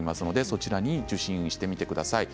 そちらに受診してみてください。